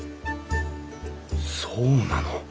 そうなの？